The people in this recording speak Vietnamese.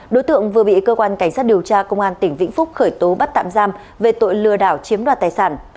đối tượng vừa bị cơ quan cảnh sát điều tra công an tỉnh vĩnh phúc khởi tố bắt tạm giam về tội lừa đảo chiếm đoạt tài sản